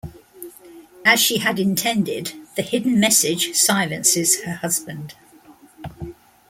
As she had intended, the hidden message silences her husband.